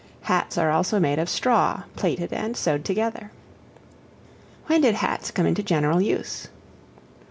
Hats are also made of straw, plaited and sewed together. When did Hats come into general use?